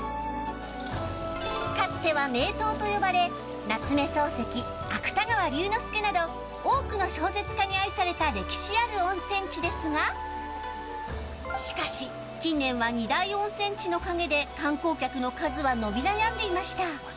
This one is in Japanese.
かつては名湯と呼ばれ夏目漱石や芥川龍之介など多くの小説家に愛された歴史ある温泉地ですがしかし近年は二大温泉地の影で観光客の数は伸び悩んでいました。